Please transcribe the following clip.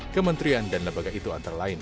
kementerian dan lembaga itu antara lain